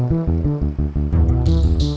ledang ledang ledang